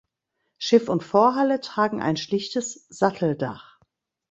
Schiff und Vorhalle tragen ein schlichtes Satteldach.